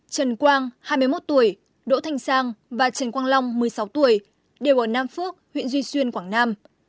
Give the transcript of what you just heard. trần quang hai mươi một tuổi đỗ thanh sang và trần quang long một mươi sáu tuổi đều ở nam phước huyện duy xuyên quảng nam